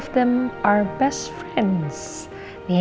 namun tiga dari mereka adalah teman terbaik